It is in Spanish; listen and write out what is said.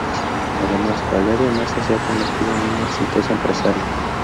Además, Valeria Mazza se ha convertido en una exitosa empresaria.